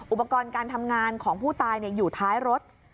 อุปกรณ์การทำงานของผู้ตายอยู่ท้ายรถ